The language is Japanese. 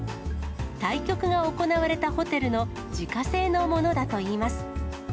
対局が行われたホテルの自家製のものだといいます。